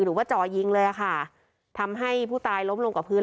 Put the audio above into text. หรือว่าจ่อยิงเลยอะค่ะทำให้ผู้ตายล้มลงกับพื้น